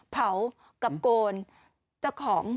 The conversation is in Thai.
เผากับโกน